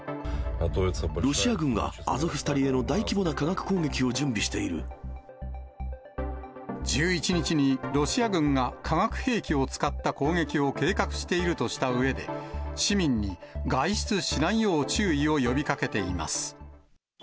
ロシア軍がアゾフスタリへの大規模な化学攻撃を準備していま１１日に、ロシア軍が化学兵器を使った攻撃を計画しているとしたうえで、市民に外出しないよう注意を呼びかけています。